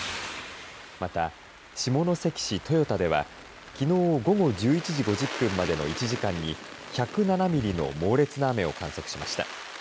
また下関市豊田ではきのう午後１１時５０分までの１時間に１０７ミリの猛烈な雨を観測しました。